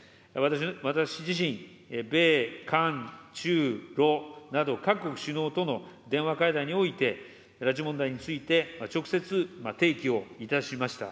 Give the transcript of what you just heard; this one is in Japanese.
私自身、米・韓・中・ロなど、各国首脳との電話会談において、拉致問題について直接提起をいたしました。